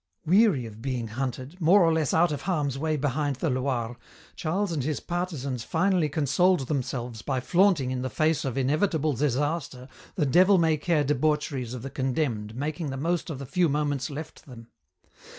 Weary of being hunted, more or less out of harm's way behind the Loire, Charles and his partisans finally consoled themselves by flaunting in the face of inevitable disaster the devil may care debaucheries of the condemned making the most of the few moments left them.